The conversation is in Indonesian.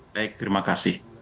baik terima kasih